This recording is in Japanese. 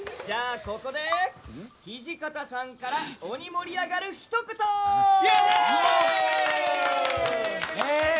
じゃあここで土方さんから鬼盛り上がるひと言！イエイ！